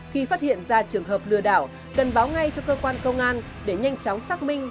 khi phát hiện ra trường hợp lừa đảo cần báo ngay cho cơ quan công an để nhanh chóng xác minh